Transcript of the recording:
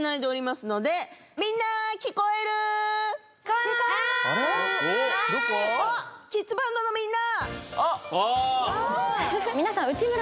本日はキッズバンドのみんな！